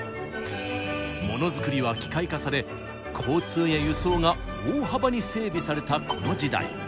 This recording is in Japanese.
モノづくりは機械化され交通や輸送が大幅に整備されたこの時代。